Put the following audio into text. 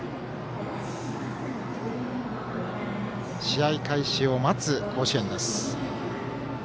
試合開始を待つ甲子園です。